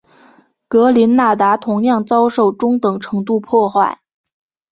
格林纳达同样遭受中等程度破坏。